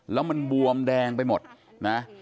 แล้วมันบวมแดงไปหมดนะ